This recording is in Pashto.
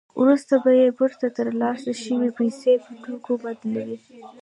وروسته به یې بېرته ترلاسه شوې پیسې په توکو بدلولې